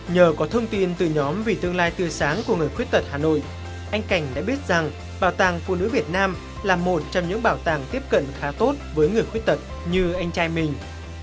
nhờ có thông tin từ nhóm vì tương lai tươi sáng của người khuyết tật hà nội anh cảnh đã biết rằng bảo tàng phụ nữ việt nam là một trong những bảo tàng tiếp cận khá tốt với người khuyết tật như anh trai mình